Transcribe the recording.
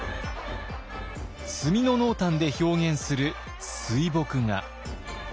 墨の濃淡で表現する水墨画。